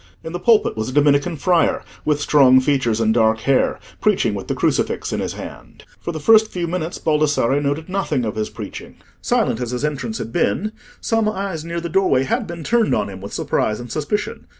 In the pulpit was a Dominican friar, with strong features and dark hair, preaching with the crucifix in his hand. For the first few minutes Baldassarre noted nothing of his preaching. Silent as his entrance had been, some eyes near the doorway had been turned on him with surprise and suspicion.